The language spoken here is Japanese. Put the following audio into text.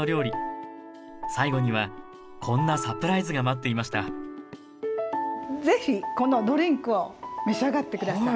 最後にはこんなサプライズが待っていました是非このドリンクを召し上がってください。